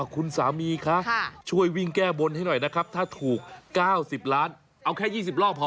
คุณสามีคะช่วยวิ่งแก้บนให้หน่อยนะครับถ้าถูก๙๐ล้านเอาแค่๒๐รอบพอ